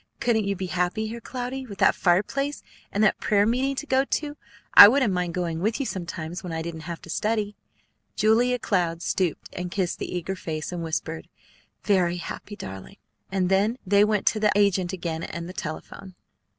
Couldn't you be happy here, Cloudy, with that fireplace, and that prayer meeting to go to? I wouldn't mind going with you sometimes when I didn't have to study." Julia Cloud stooped, and kissed the eager face, and whispered, "Very happy, darling!" And then they went to the agent again and the telephone.